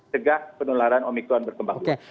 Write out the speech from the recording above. cegah penularan omikron berkembang